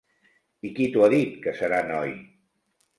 I qui t'ho ha dit que serà noi?